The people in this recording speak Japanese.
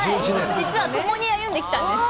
実は共に歩んできたんです。